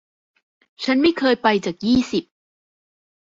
ฉันไม่เคยไปจากยี่สิบ